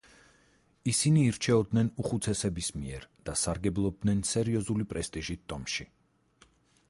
ისინი ირჩეოდნენ უხუცესების მიერ და სარგებლობდნენ სერიოზული პრესტიჟით ტომში.